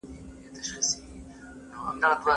ملګرتیا یوازې د شخصي ګټې لپاره مه ساته.